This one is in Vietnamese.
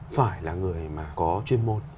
phải là người mà có chuyên môn